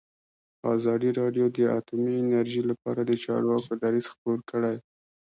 ازادي راډیو د اټومي انرژي لپاره د چارواکو دریځ خپور کړی.